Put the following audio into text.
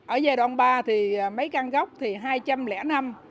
ở giai đoạn ba thì mấy căn gốc thì hai trăm linh năm